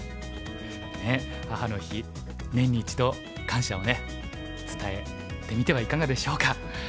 ねえ母の日年に一度感謝を伝えてみてはいかがでしょうか。